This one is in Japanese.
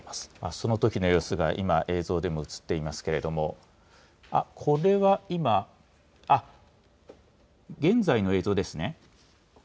そのときの様子が今、映像でも映っていますけれども、これは今、現在の映像ですね。